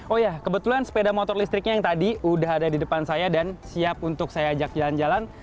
oh ya kebetulan sepeda motor listriknya yang tadi udah ada di depan saya dan siap untuk saya ajak jalan jalan